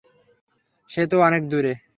সে তো অনেক দূর।